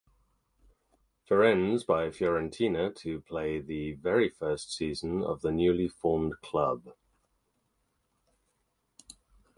Firenze by Fiorentina to play the very first season of the newly formed club.